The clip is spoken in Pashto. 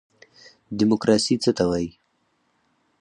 دیموکراسي څه ته وایي؟